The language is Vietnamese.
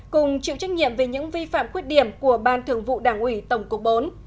cùng chịu trách nhiệm về những vi phạm khuyết điểm của ban thường vụ đảng ủy tổng cục bốn